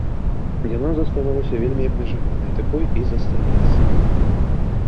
Яна заставалася вельмі абмежаванай, такой і застаецца.